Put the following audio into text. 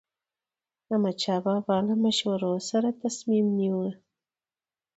احمدشاه بابا به له مشورو سره تصمیم نیوه.